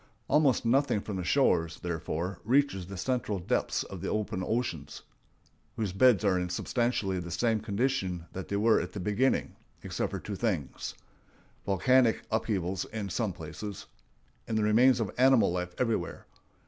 Almost nothing from the shores, therefore, reaches the central depths of the open oceans, whose beds are in substantially the same condition that they were in at the beginning, except for two things—volcanic upheavals in some places, and the remains of animal life everywhere.